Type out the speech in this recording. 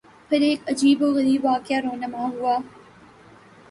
پھر ایک عجیب و غریب واقعہ رُونما ہوا